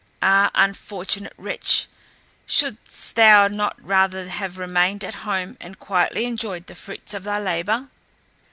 Ah, unfortunate wretch! shouldst thou not rather have remained at home, and quietly enjoyed the fruits of thy labour?"